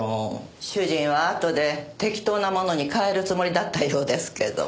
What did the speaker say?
主人はあとで適当なものに替えるつもりだったようですけど。